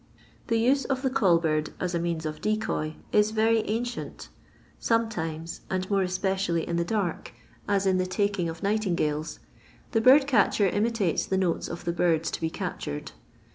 The use of the call bird as a means of decoy is very ancient. Sometimes — and more especially in the dark, as in the taking of nightingales— the bird catcher imitates the notes of the birds to be captured.